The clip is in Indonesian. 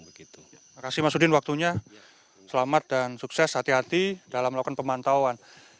terima kasih mas udin waktunya selamat dan sukses hati hati dalam melakukan pemantauan